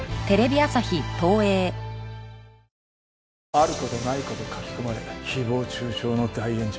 ある事ない事書き込まれ誹謗中傷の大炎上。